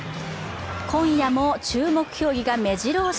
今夜も注目競技がめじろ押し。